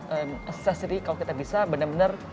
a necessity kalau kita bisa benar benar